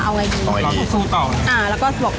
เอาไงดีเราต้องสู้ต่อ